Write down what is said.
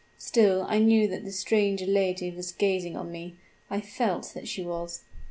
Still I knew that the stranger lady was gazing on me; I felt that she was.